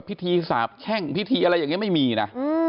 สาบแช่งพิธีอะไรอย่างนี้ไม่มีนะ